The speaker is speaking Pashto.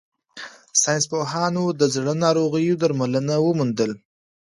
ساینس پوهانو د زړه د ناروغیو درمل وموندل.